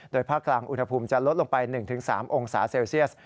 ภาคกลางอุณหภูมิจะลดลงไป๑๓องศาเซลเซียส